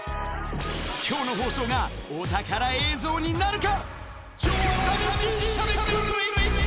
きょうの放送がお宝映像になるか？